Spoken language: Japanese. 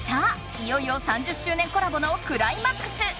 いよいよ３０周年コラボのクライマックス！